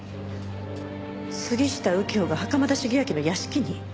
杉下右京が袴田茂昭の屋敷に？